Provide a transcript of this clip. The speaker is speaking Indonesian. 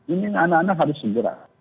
ini anak anak harus segera